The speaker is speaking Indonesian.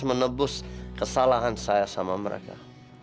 menebus kesalahan saya sama mereka